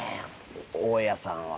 大家さんは。